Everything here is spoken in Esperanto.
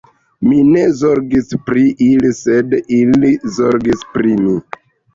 Mi ne zorgis pri ili, sed ili zorgis pri mi.